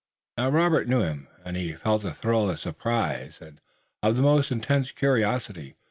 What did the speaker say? Now Robert knew him, and he felt a thrill of surprise, and of the most intense curiosity.